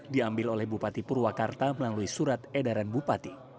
diambil oleh bupati purwakarta melalui surat edaran bupati